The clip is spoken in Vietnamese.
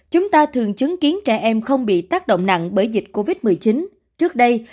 chúng ta thường chứng kiến trẻ em không bị tác động nặng bởi dịch covid một mươi chín trước đây